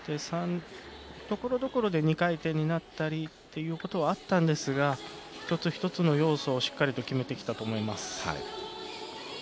ところどころで２回転になったりということはあったんですが一つ一つの要素をしっかり決めてきたと思います。